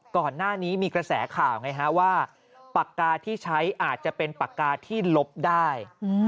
ก่อนหน้านี้มีกระแสข่าวไงฮะว่าปากกาที่ใช้อาจจะเป็นปากกาที่ลบได้